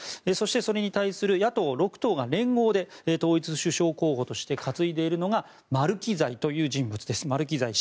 そして、それに対する野党６党が連合で統一首相候補として担いでいるのがマルキザイという人物です。